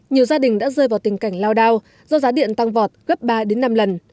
nhiều gia đình đã rơi vào tình cảnh lao đao do giá điện tăng vọt gấp ba đến năm lần